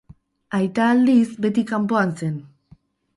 Aita aldiz beti kanpoan zen.